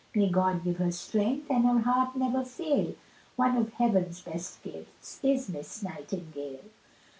May God give her strength, and her heart never fail, One of heaven's best gifts is Miss Nightingale.